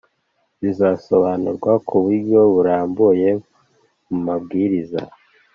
bizasobanurwa ku buryo burambuye mu mabwiriza